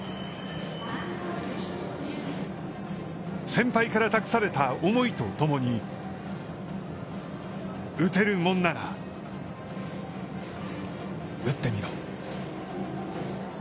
先輩から託された思いと共に、打てるもんなら打ってみろ。